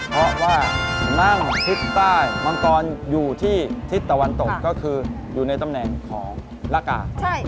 เพราะว่านั่งทิศใต้มังกรอยู่ที่ทิศตะวันตกก็คืออยู่ในตำแหน่งของละกา